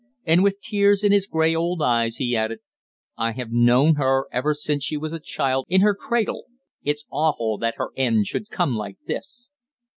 And with tears in his grey old eyes, he added: "I have known her ever since she was a child in her cradle. It's awful that her end should come like this."